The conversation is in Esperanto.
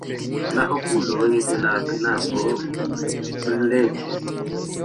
La okuloj de la knabo briletis.